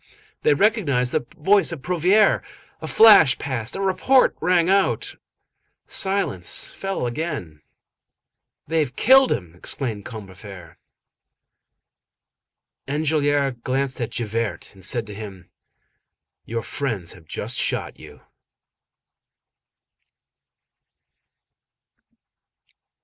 They recognized the voice of Prouvaire. A flash passed, a report rang out. Silence fell again. "They have killed him," exclaimed Combeferre. Enjolras glanced at Javert, and said to him:— "Your friends have just shot you."